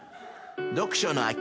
読書の秋。